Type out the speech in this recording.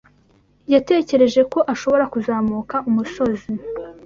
Yatekereje ko ashobora kuzamuka umusozi.